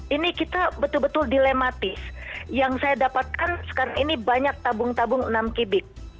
ini kita betul betul dilematis yang saya dapatkan sekarang ini banyak tabung tabung enam kibik